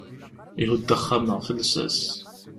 Ihudd axxam ɣef llsas.